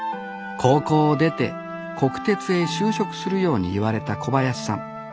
高校を出て国鉄へ就職するように言われた小林さん。